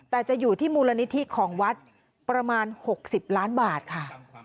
แต่จะอยู่ที่มูลนิธิของวัดประมาณ๖๐ล้านบาทค่ะ